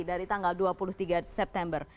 dari tanggal dua puluh tiga september